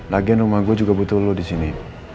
lagian rumah gue juga butuh lo disini